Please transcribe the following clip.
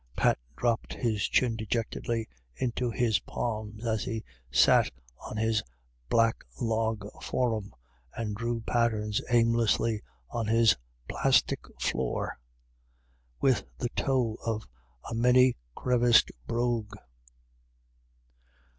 Pat dropped his chin dejectedly into his palms as he sat on his black log "forrum," and drew patterns aimlessly on his plastic floor, with the toe of a many creviced brogue.